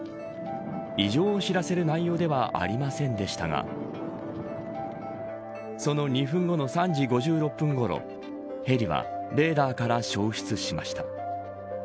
異常を知らせる内容ではありませんでしたがその２分後の３時５６分ごろヘリはレーダーから消失しました。